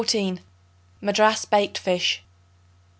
Madras Baked Fish.